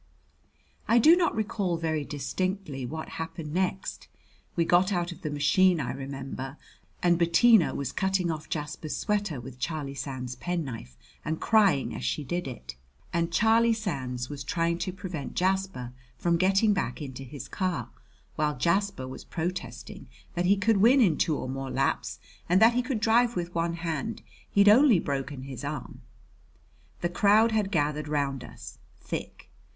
I do not recall very distinctly what happened next. We got out of the machine, I remember, and Bettina was cutting off Jasper's sweater with Charlie Sands' penknife, and crying as she did it. And Charlie Sands was trying to prevent Jasper from getting back into his car, while Jasper was protesting that he could win in two or more laps and that he could drive with one hand he'd only broken his arm. The crowd had gathered round us, thick.